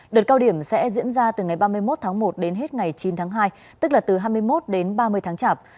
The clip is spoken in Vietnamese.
đợt cao điểm sẽ diễn ra từ ngày ba mươi một tháng một đến hết ngày chín tháng hai tức là từ hai mươi một đến ba mươi tháng chạp